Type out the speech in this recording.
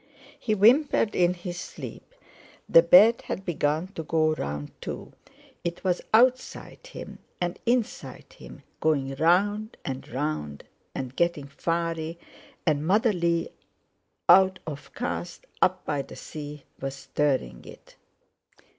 He whimpered in his sleep. The bed had begun to go round too; it was outside him and inside him; going round and round, and getting fiery, and Mother Lee out of Cast up by the Sea was stirring it!